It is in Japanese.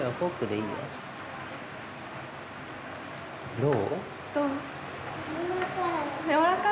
どう？